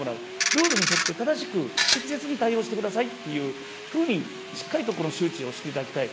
ルールに沿って、正しく適切に対応してくださいというふうに、しっかりと周知をしていただきたい。